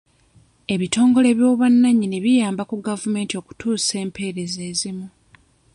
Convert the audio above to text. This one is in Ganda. Ebitongole by'obwannannyini biyamba ku gavumenti okutuusa empeereza ezimu.